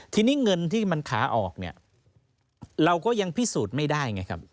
ทีนี้เงินที่มันขาออกเนี่ยเราก็ยังพิสูจน์ไม่ได้ไงครับ